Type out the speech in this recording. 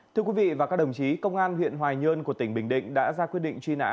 thưa quý vị và các đồng chí công an huyện hoài nhơn của tỉnh bình định đã ra quyết định truy nã